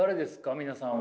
皆さんは。